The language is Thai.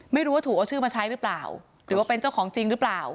ไม่รู้ว่าถูกเอาชื่อมาใช้หรือเปล่าหรือว่าเป็นเจ้าของจริงหรือเปล่า